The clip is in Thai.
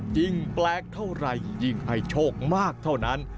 ยิ่งแปลกเท่าไหร่ยิ่งให้โชคมากเท่านั้น